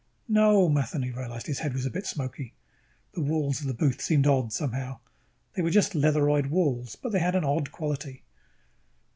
"No." Matheny realized his head was a bit smoky. The walls of the booth seemed odd, somehow. They were just leatheroid walls, but they had an odd quality.